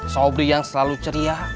sobri yang selalu ceria